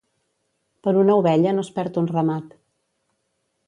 Per una ovella no es perd un ramat.